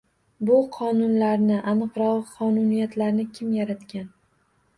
Bu qonunlarni, aniqrog’i, qonuniyatlarni kim yaratgan?